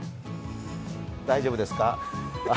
大丈夫ですか？